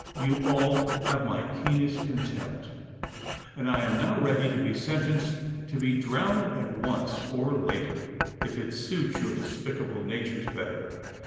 You all have my keenest contempt, and I am now ready to be sentenced to be drowned at once, or later, if it suits your despicable natures better